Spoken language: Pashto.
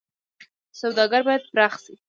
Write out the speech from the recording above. سوداګري باید پراخه شي